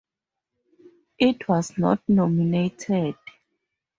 It was not nominated.